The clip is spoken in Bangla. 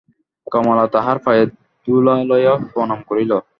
কমলা তাহার পায়ের ধুলা লইয়া প্রণাম করিল।